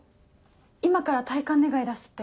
今から退官願出すって。